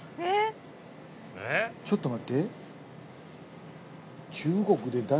ちょっと待って。